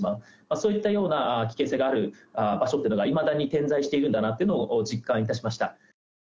そういったような危険性がある場所っていうのが、いまだに点在しているんだなというのを実感いたしました。